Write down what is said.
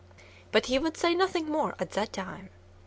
But he would say nothing more at that time.